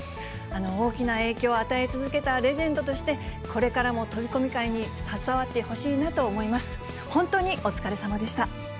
大きな影響を与え続けたレジェンドとして、これからも飛び込み界に携わってほしいなと思います。